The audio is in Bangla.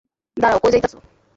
দাঁড়াও, কই যাইতাছো?